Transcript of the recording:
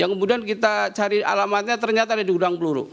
yang kemudian kita cari alamatnya ternyata ada di gudang peluru